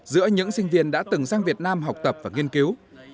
giữa những sinh viên đã từng sang việt nam học tập và nghiên cứu